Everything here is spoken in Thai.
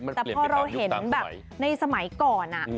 แต่พอเราเห็นแบบในสมัยก่อน